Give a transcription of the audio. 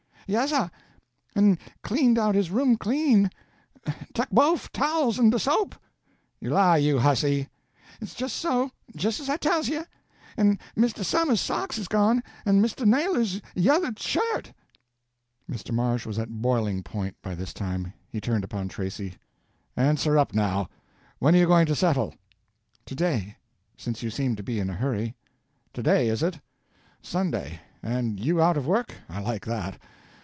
"Yes sah, and cleaned out his room clean; tuck bofe towels en de soap!" "You lie, you hussy!" "It's jes' so, jes' as I tells you—en Misto Summer's socks is gone, en Misto Naylor's yuther shirt." Mr. Marsh was at boiling point by this time. He turned upon Tracy: "Answer up now—when are you going to settle?" "To day—since you seem to be in a hurry." "To day is it? Sunday—and you out of work? I like that.